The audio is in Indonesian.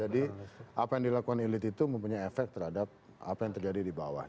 jadi apa yang dilakukan elit itu mempunyai efek terhadap apa yang terjadi di bawah